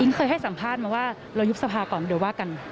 เคยให้สัมภาษณ์มาว่าเรายุบสภาก่อนเดี๋ยวว่ากัน